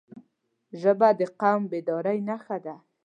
ژبه د قوم بیدارۍ نښه ده